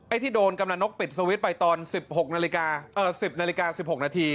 ไอ้ที่โดนกำหนังนกปิดสวิตซ์ไปตอน๑๐นาฬิกา๑๖นาที